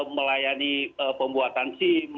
melayani pembuatan sim